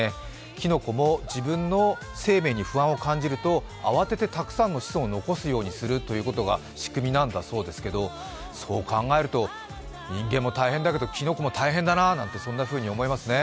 きのこも自分の生命に不安を感じると慌ててたくさんの子孫を残すようにするということが仕組みなんだそうですが、そう考えると人間も大変だけどきのこも大変だなと、そんなふうに思いますね。